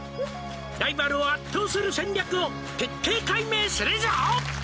「ライバルを圧倒する戦略を徹底解明するぞ」